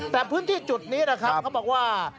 แต่พื้นที่จุดนี้นะครับเขาบอกว่า